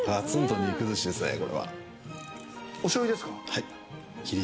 はい。